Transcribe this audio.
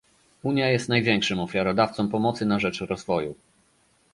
Unia jest największym ofiarodawcą pomocy na rzecz rozwoju